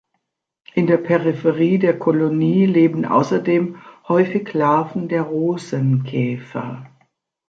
In der Peripherie der Kolonie leben außerdem häufig Larven der Rosenkäfer.